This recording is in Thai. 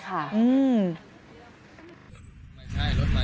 รถไวเกี่ยวกับอะไร